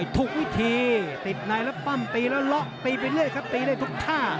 ติดไหนแล้วปั้มตีแล้วล็อกตีไปเลยครับตีเลยทุกท่า